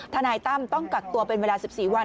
นายตั้มต้องกักตัวเป็นเวลา๑๔วัน